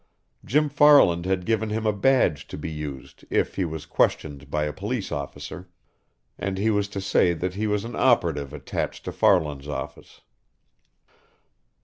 Jim Farland had given him a badge to be used if he was questioned by a police officer, and he was to say that he was an operative attached to Farland's office.